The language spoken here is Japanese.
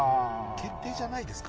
決定じゃないですか？